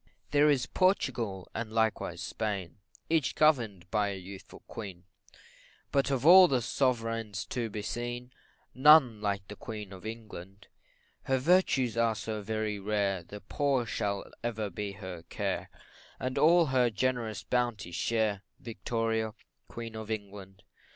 There is Portugal, and likewise Spain, Each govern'd by a youthful Queen, But of all the Sov'reigns to be seen, None like the Queen of England: Her virtues are so very rare, The poor shall ever be her care, And all her generous bounty share, Victoria, Queen of England.